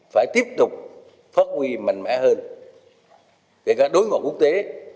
phải tiếp tục phát huy mạnh mẽ hơn kể cả đối ngộ quốc tế